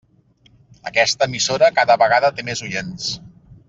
Aquesta emissora cada vegada té més oients.